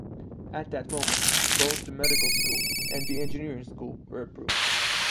At that moment, both the medical school and the engineering school were approved.